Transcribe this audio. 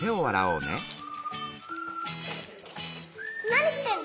なにしてんの？